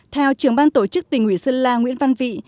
theo trưởng ban tổ chức tỉnh ủy sơn la nguyễn văn vị